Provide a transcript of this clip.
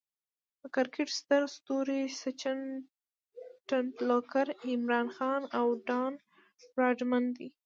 د کرکټ ستر ستوري سچن ټندولکر، عمران خان، او ډان براډمن دي.